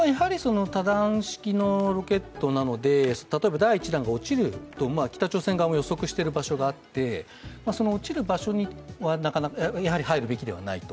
多段式のロケットなので第１弾が落ちると北朝鮮側も予測している場所もあって、落ちる場所はやはり入るべきではないと。